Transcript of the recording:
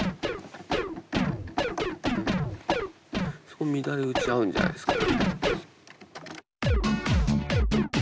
そこ乱れ打ち合うんじゃないですか？